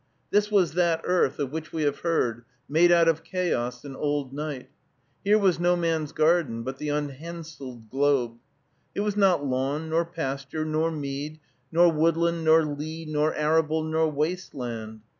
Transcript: This was that Earth of which we have heard, made out of Chaos and Old Night. Here was no man's garden, but the unhandseled globe. It was not lawn, nor pasture, nor mead, nor woodland, nor lea, nor arable, nor waste land.